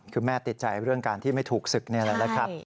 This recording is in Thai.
คือแม่ติดใจเรื่องการที่ไม่ถูกศึกนี่แหละนะครับ